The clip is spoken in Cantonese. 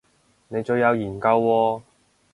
你最有研究喎